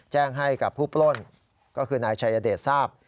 แจ้งให้กับผู้ปล้นก็คือนายชายเดชทราบ